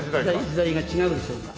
時代が違うでしょうか？